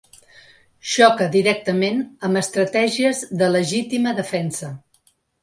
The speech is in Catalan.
Xoca directament amb estratègies de legítima defensa.